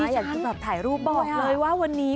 ดิฉันถ่ายรูปบอกเลยว่าวันนี้